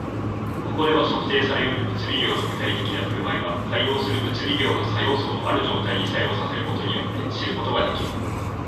ここでは、測定され得る物理量の具体的な振る舞いは、対応する物理量の作用素をある状態に作用させることによって知ることができる